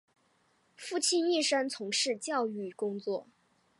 父亲一生从事教育工作。